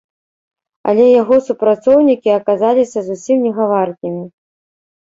Але яго супрацоўнікі аказаліся зусім негаваркімі.